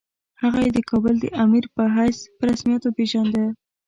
هغه یې د کابل د امیر په حیث په رسمیت وپېژانده.